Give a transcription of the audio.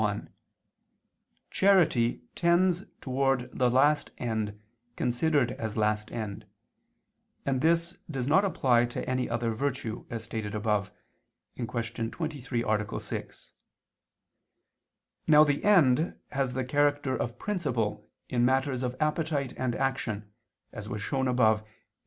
1: Charity tends towards the last end considered as last end: and this does not apply to any other virtue, as stated above (Q. 23, A. 6). Now the end has the character of principle in matters of appetite and action, as was shown above (Q.